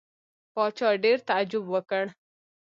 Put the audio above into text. پاچا ډېر تعجب وکړ.